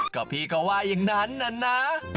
ก็พี่ก็ว่าอย่างนั้นนะนะ